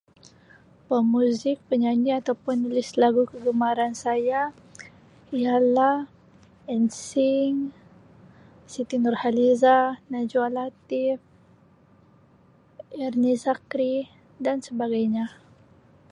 Pemuzik, penyanyi atau penulis lagu kegemaran saya ialah Nsync, Siti Nurhalizah, Najwa Latif, Ernie Zakrie dan sebagainya.